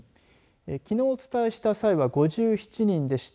きのうお伝えした際の５７人でした。